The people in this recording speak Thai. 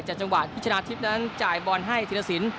แต่จังหวัดพิชนะทิพย์นั้นจ่ายบอลให้ธิรษิน